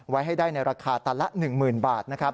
ไว้ให้ได้ในราคาแต่ละ๑หมื่นบาท